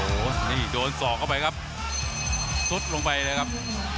โอ้โหนี่โดนสอกเข้าไปครับซุดลงไปเลยครับ